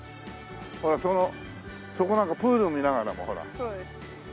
ほらそこのそこなんかプールを見ながらもほら。